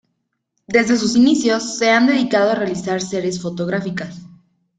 Desde sus inicios se han dedicado a realizar series fotográficas.